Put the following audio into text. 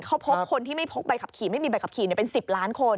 เขาพบคนที่ไม่พกใบขับขี่ไม่มีใบขับขี่เป็น๑๐ล้านคน